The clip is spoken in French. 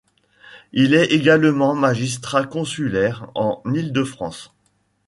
Il est également magistrat consulaire en Île-de-France.